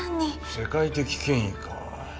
世界的権威か。